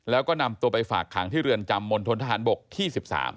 แล้วก็นำตัวไปฝากขังที่เรือนจำมณฑนทหารบกที่๑๓